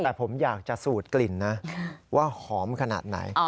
แต่ผมอยากจะสูดกลิ่นนะว่าหอมขนาดไหน